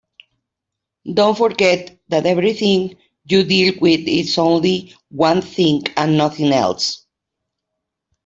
Don't forget that everything you deal with is only one thing and nothing else.